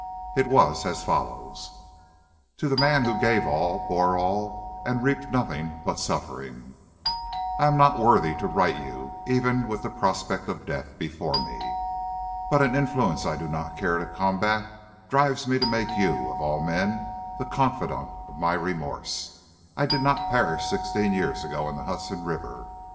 It was as follows: TO THE MAN WHO GAVE ALL, BORE ALL, AND REAPED NOTHING BUT SUFFERING: I am not worthy to write you, even with the prospect of death before me. But an influence I do not care to combat drives me to make you, of all men, the confidant of my remorse. I did not perish sixteen years ago in the Hudson River.